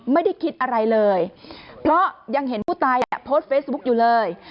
ไม่ได้คิดอะไรเลยเพราะยังเห็นผู้ตายโพสต์เฟซบุ๊กอยู่เลย